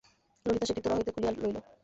ললিতা সেটি তোড়া হইতে খুলিয়া লইল।